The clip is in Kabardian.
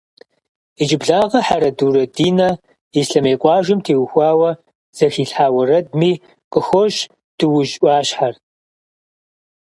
Иджыблагъэ Хьэрэдурэ Динэ Ислъэмей къуажэм теухуауэ зэхилъхьа уэрэдми къыхощ Дуужь ӏуащхьэр.